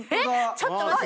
⁉ちょっと待って。